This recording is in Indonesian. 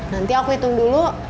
nanti aku hitung dulu